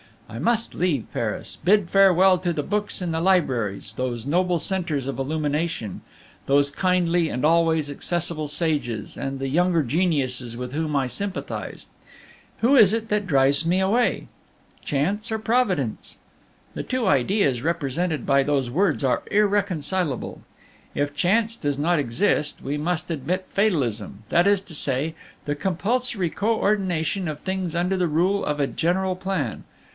I must leave Paris, bid farewell to the books in the libraries, those noble centres of illumination, those kindly and always accessible sages, and the younger geniuses with whom I sympathize. Who is it that drives me away? Chance or Providence? "The two ideas represented by those words are irreconcilable. If Chance does not exist, we must admit fatalism, that is to say, the compulsory co ordination of things under the rule of a general plan.